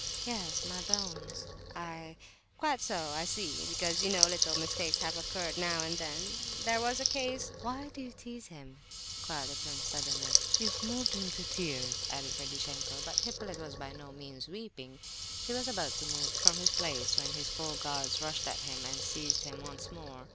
"Yes, my bones, I—" "Quite so, I see; because, you know, little mistakes have occurred now and then. There was a case—" "Why do you tease him?" cried the prince, suddenly. "You've moved him to tears," added Ferdishenko. But Hippolyte was by no means weeping. He was about to move from his place, when his four guards rushed at him and seized him once more.